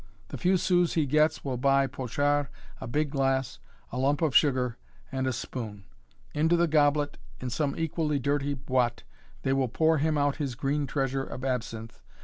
The few sous he gets will buy Pochard a big glass, a lump of sugar, and a spoon; into the goblet, in some equally dirty 'boîte,' they will pour him out his green treasure of absinthe.